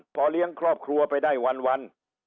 พอเลี้ยงครอบครัวไปได้วัน